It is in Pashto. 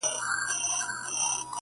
له یخنۍ څخه ډبري چاودېدلې -